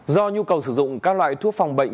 do nhu cầu sử dụng các loại thuốc phòng bệnh